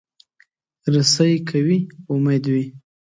رسۍ که وي، امید وي.